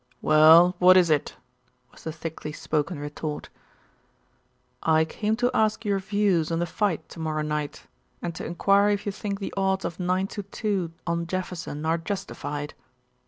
"Well, what is it?" was the thickly spoken retort. "I came to ask your views on the fight to morrow night, and to enquire if you think the odds of nine to two on Jefferson are justified."